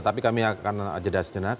tapi kami akan jeda sejenak